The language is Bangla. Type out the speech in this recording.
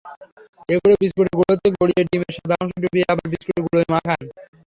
এগুলো বিস্কুটের গুঁড়াতে গড়িয়ে ডিমের সাদা অংশে ডুবিয়ে আবার বিস্কুটের গুঁড়ায় মাখান।